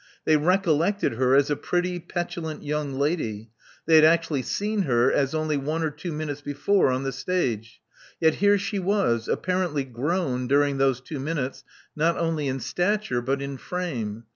They recollected her as a pretty, petulant young lady: they had actually seen her as one only two minutes before on the stage. Yet here she was, apparently grown during those two minutes not only in stature but in frame.